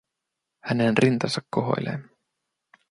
Hänen rintansa kohoilee.